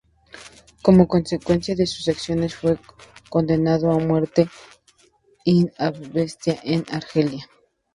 Como consecuencia de sus acciones, fue condenado a muerte in absentia en Argelia.